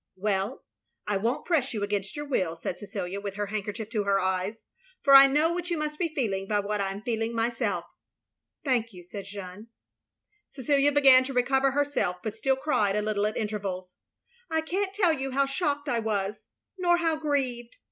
"Well, I won't press you against your will," said Cecilia; with her handkerchief to her eyes, "for I know what you must be feeling by what I am feeling myself. "Thank you, '* said Jeanne. Cecilia began to recover herself, but still cried a little at intervals. " I can't tell you how shocked I was — ^nor how grieved.